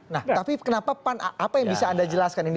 nah tapi kenapa pan apa yang bisa anda jelaskan ini